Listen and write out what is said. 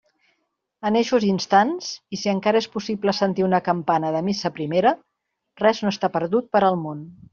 En eixos instants, i si encara és possible sentir una campana de missa primera, res no està perdut per al món.